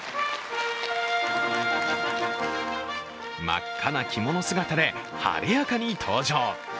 真っ赤な着物姿で晴れやかに登場。